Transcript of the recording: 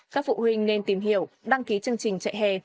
các phụ huynh nên tìm hiểu đăng ký chương trình chạy hè